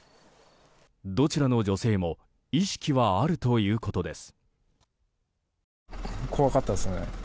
どちらの女性も意識はあるということです。